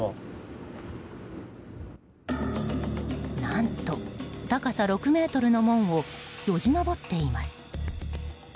何と、高さ６ｍの門をよじ登っています。